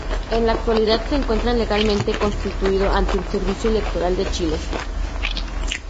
En la actualidad se encuentra legalmente constituido ante el Servicio Electoral de Chile.